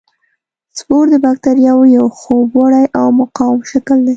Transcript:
سپور د باکتریاوو یو خوب وړی او مقاوم شکل دی.